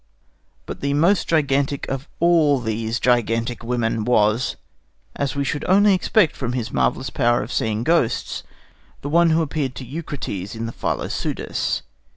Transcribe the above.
But the most gigantic of all these gigantic women was, as we should only expect from his marvellous power of seeing ghosts, the one who appeared to Eucrates in the Philopseudus.